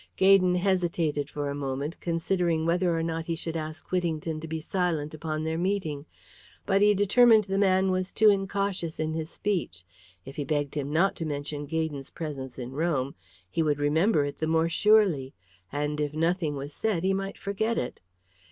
Gaydon hesitated for a moment, considering whether or not he should ask Whittington to be silent upon their meeting. But he determined the man was too incautious in his speech. If he begged him not to mention Gaydon's presence in Rome, he would remember it the more surely, and if nothing was said he might forget it.